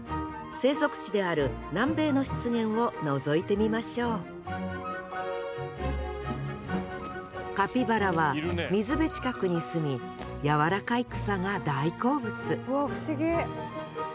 生息地である南米の湿原をのぞいてみましょうカピバラは水辺近くに住み柔らかい草が大好物うわ不思議。